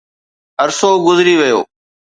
عرصو گذري ويو